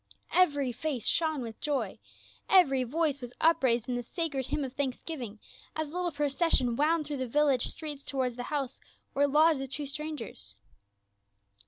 Evcr\' face shone with joy, evcr\'^ voice was upraised in the sacred h\mn of thanksgi\ing as the little procession wound through the \illage streets toward the house where lodged the tvvo strangers.